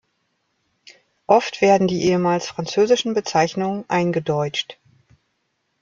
Oft werden die ehemals französischen Bezeichnungen "eingedeutscht".